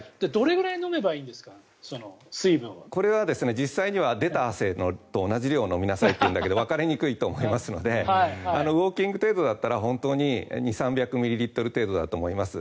実際に出た汗と同じ量を飲みなさいということですがわかりにくいと思いますのでウォーキング程度だったら本当に２００３００ミリリットル程度だと思います。